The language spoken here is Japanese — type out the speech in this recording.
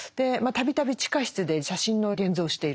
度々地下室で写真の現像をしている。